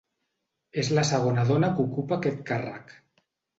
És la segona dona que ocupa aquest càrrec.